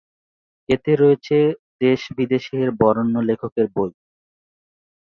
এতে রয়েছে দেশ বিদেশের বরেণ্য লেখকের বই।